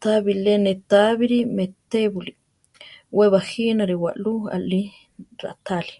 Ta bilé ne tábiri meʼtébuli; we bajínare waʼlú, aʼlí raʼtáli.